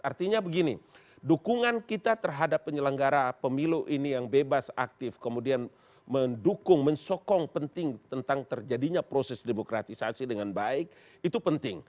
artinya begini dukungan kita terhadap penyelenggara pemilu ini yang bebas aktif kemudian mendukung mensokong penting tentang terjadinya proses demokratisasi dengan baik itu penting